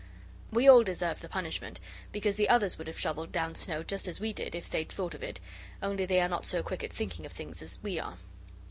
We all deserved the punishment, because the others would have shovelled down snow just as we did if they'd thought of it only they are not so quick at thinking of things as we are.